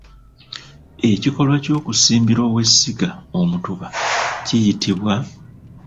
Ekikolwa ky'okusimbira owessinga omutuba kiyitibwa?